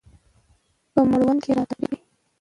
په مړوند کې راته پرې کړي.